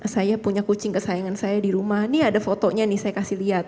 saya punya kucing kesayangan saya di rumah ini ada fotonya nih saya kasih lihat